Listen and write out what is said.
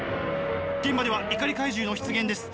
現場では怒り怪獣の出現です。